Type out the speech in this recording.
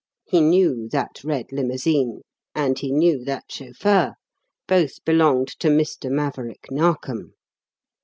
He knew that red limousine, and he knew that chauffeur. Both belonged to Mr. Maverick Narkom.